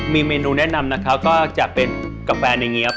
มีเมนูแนะนำนะคะก็จะเป็นกาแฟแบบนี้ครับ